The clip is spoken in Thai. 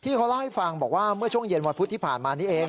เขาเล่าให้ฟังบอกว่าเมื่อช่วงเย็นวันพุธที่ผ่านมานี้เอง